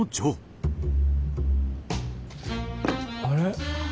あれ？